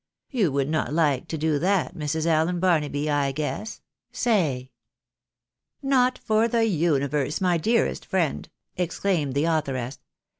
You would not like to do that, Ijirs. Allen Barnaby, I guess? — Say." " Not for the universe, my dearest friend !" exclaimed the authoress.